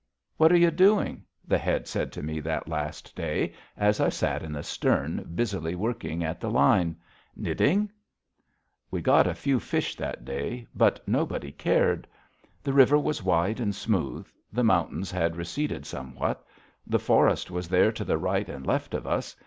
"What are you doing," the Head said to me that last day, as I sat in the stern busily working at the line. "Knitting?" We got few fish that day, but nobody cared. The river was wide and smooth; the mountains had receded somewhat; the forest was there to the right and left of us.